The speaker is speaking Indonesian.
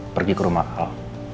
pergi ke rumah al